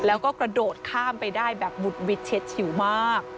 แล้วก็กระโดดข้ามไปได้แบบบุดวิดเช็ดฉิวมาก